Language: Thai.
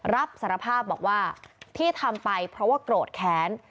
รับสารภาพบอกว่าที่ทำไปเพราะว่าโกรธแค้น